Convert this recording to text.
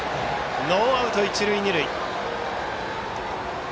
ノーアウト、一塁二塁。